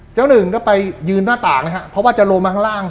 หนึ่งก็ไปยืนหน้าต่างนะครับเพราะว่าจะลงมาข้างล่าง